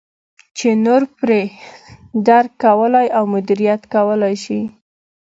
چې نور پرې درک کولای او مدیریت کولای شي.